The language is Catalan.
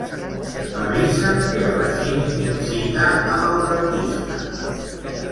Avisa'm que a les cinc tinc cita amb el dentista.